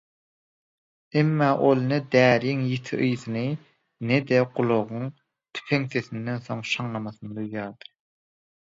Emma ol ne däriň ýiti ysyny, ne-de gulagynyň tüpeň sesinden soň şaňlamasyny duýýardy.